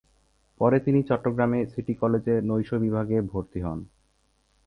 পরে তিনি চট্টগ্রামে সিটি কলেজে নৈশ বিভাগে ভর্তি হন।